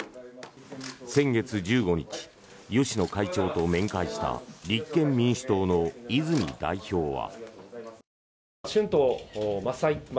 先月１５日、芳野会長と面会した立憲民主党の泉代表は。